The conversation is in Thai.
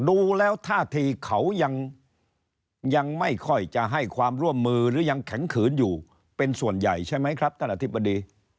ดูแล้วท่าทีเขายังไม่ค่อยจะให้ความร่วมมือหรือยังแข็งขืนอยู่เป็นส่วนใหญ่ใช่ไหมครับท่านอธิบดี